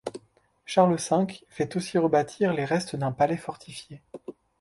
Charles V fait aussi rebâtir les restes d’un palais fortifié.